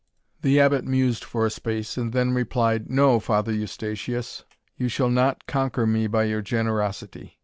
The Abbot mused for a space, and then replied, "No, Father Eustatius, you shall not conquer me by your generosity.